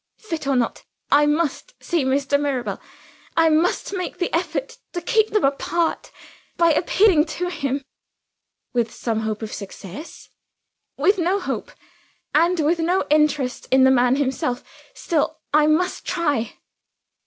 "Fit or not, I must see Mr. Mirabel I must make the effort to keep them apart by appealing to him." "With any hope of success?" "With no hope and with no interest in the man himself. Still I must try."